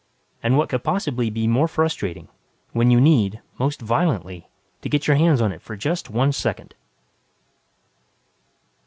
And what could possibly be more frustrating ... when you need, most violently, to get your hands on it for just one second....